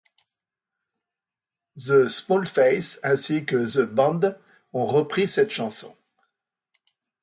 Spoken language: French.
The Small Faces ainsi que The Band ont repris cette chanson.